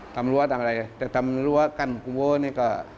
ทำรัวตามอะไรแต่ทำรัวกันกุโบนี่ก็